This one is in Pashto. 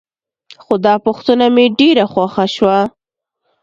خو دا پوښتنه مې ډېره خوښه شوه.